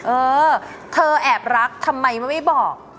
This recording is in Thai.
เออเธอแอบรักทำไมไม่บอก